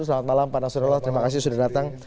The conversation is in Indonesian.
selamat malam pak nasrullah terima kasih sudah datang